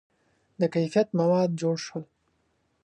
• د کیفیت مواد جوړ شول.